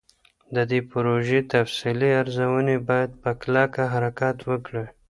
د دې پروژې تفصیلي ارزوني باید په کلکه حرکت وکړي.